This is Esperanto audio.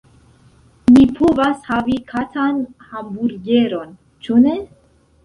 Mi povas havi katan hamburgeron, ĉu ne?